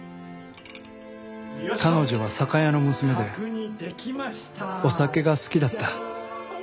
彼女は酒屋の娘でお酒が好きだった。